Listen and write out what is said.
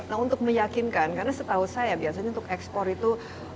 nah untuk meyakinkan karena setahu saya biasanya untuk ekspor itu